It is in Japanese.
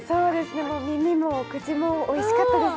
耳も口もおいしかったです。